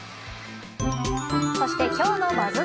そして今日のＢＵＺＺ